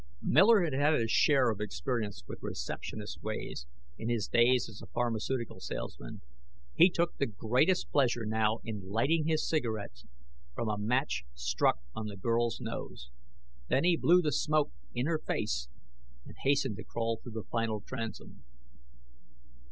Miller had had his share of experience with receptionists' ways, in his days as a pharmaceutical salesman. He took the greatest pleasure now in lighting his cigarette from a match struck on the girl's nose. Then he blew the smoke in her face and hastened to crawl through the final transom.